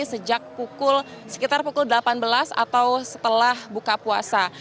sejak sekitar pukul delapan belas atau setelah buka puasa